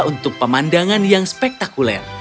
pohon itu memiliki pemandangan yang spektakuler